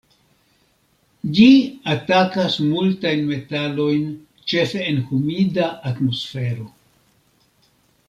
Ĝi atakas multajn metalojn ĉefe en humida atmosfero.